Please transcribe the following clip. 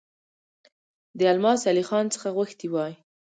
د الماس علي خان څخه غوښتي وای.